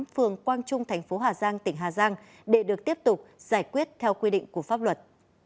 phường quang trung thành phố hà giang tỉnh hà giang để được tiếp tục giải quyết theo quy định của pháp luật